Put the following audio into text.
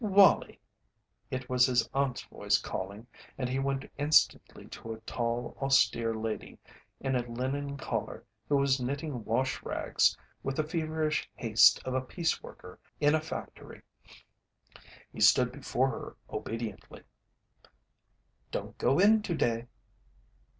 "Wallie!" It was his aunt's voice calling and he went instantly to a tall, austere lady in a linen collar who was knitting wash rags with the feverish haste of a piece worker in a factory. He stood before her obediently. "Don't go in to day."